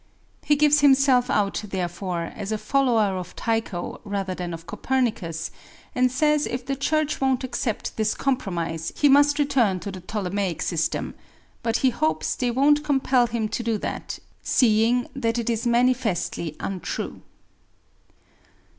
He gives himself out therefore as a follower of Tycho rather than of Copernicus, and says if the Church won't accept this compromise he must return to the Ptolemaic system; but he hopes they won't compel him to do that, seeing that it is manifestly untrue.